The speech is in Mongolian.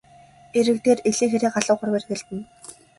Эрэг дээр элээ хэрээ галуу гурав эргэлдэнэ.